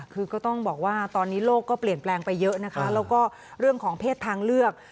คือก็ต้องบอกว่าตอนนี้โลกก็เปลี่ยนแปลงไปเยอะนะคะแล้วก็เรื่องของเพศทางเลือก